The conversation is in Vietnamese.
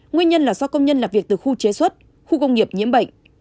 nguyên nhân là do công nhân làm việc từ khu chế xuất khu công nghiệp nhiễm bệnh